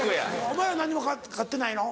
お前らは何も飼ってないの？